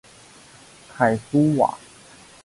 凯苏瓦。